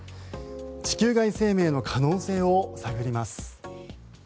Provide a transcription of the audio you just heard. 地球外生命の可能性を探ります。